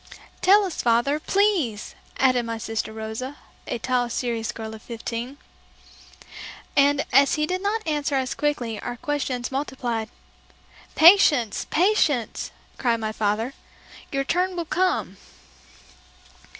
"Tell us, father, please," added my sister Rosa, a tall, serious girl of fifteen. And as he did not answer us quickly our questions multiplied. "Patience! Patience!" cried my father; "your turn will come."